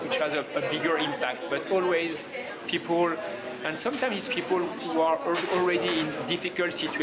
film pendek yang menceritakan jasa seorang pembulung sampah di susul dankarampig menjaga raya darkestu